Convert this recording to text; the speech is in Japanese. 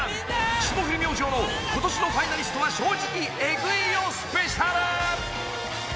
霜降り明星の今年のファイナリストは正直エグいよＳＰ」。